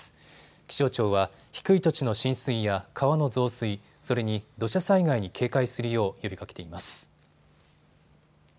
気象庁は低い土地の浸水や川の増水、それに土砂災害に警戒するよう呼びかけています。